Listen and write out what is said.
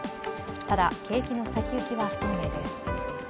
ただ、景気の先行きは不透明です。